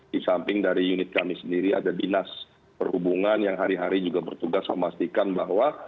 di samping dari unit kami sendiri ada dinas perhubungan yang hari hari juga bertugas memastikan bahwa